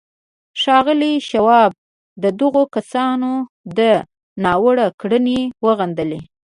ښاغلي شواب د دغو کسانو دا ناوړه کړنې وغندلې.